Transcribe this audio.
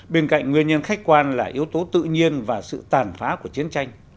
bên cạnh nguyên nhân khách quan là yếu tố tự nhiên và sự tàn phá của chiến tranh